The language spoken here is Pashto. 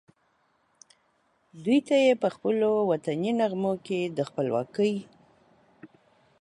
دوی ته یې پخپلو وطني نغمو کې د خپلواکۍ